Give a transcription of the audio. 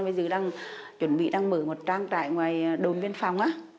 bây giờ đang chuẩn bị đang mở một trang trại ngoài đồn biên phòng á